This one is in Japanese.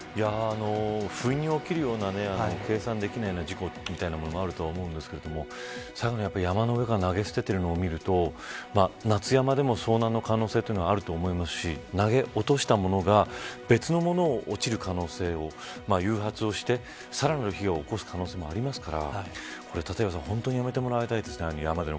ふいに起きるような計算できないような事故みたいなものはあると思うんですけど山の上から投げ捨てているのを見ると夏山でも遭難の可能性はあると思いますし投げ落としたものが別のものが落ちる可能性を誘発してさらなる被害を起こす可能性もありますから立岩さん本当にやめてもらいたいですね。